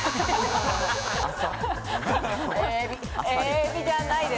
エビじゃないです。